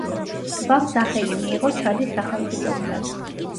ტბამ სახელი მიიღო ჩადის სახელმწიფოსგან.